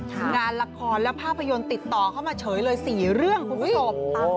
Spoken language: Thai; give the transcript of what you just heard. งานละครและภาพยนตร์ติดต่อเข้ามาเฉยเลย๔เรื่องคุณผู้ชม